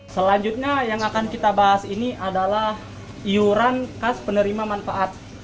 selanjutnya yang akan kita bahas ini adalah iuran khas penerima manfaat